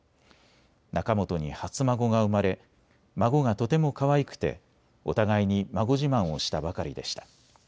仲本に初孫が生まれ孫がとてもかわいくてお互いに孫自慢をしたばかりでした。